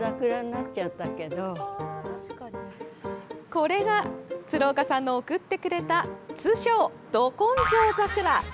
これが鶴岡さんの送ってくれた通称、ど根性桜。